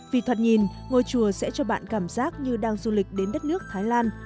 vì thật nhìn ngôi chùa sẽ cho bạn cảm giác như đang du lịch đến đất nước thái lan